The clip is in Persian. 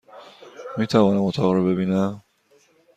میتوانم اتاق را ببینم؟